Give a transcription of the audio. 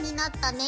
ね！